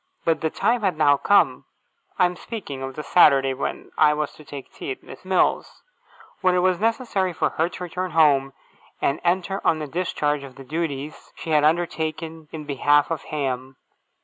But the time had now come (I am speaking of the Saturday when I was to take tea at Miss Mills's) when it was necessary for her to return home, and enter on the discharge of the duties she had undertaken in behalf of Ham.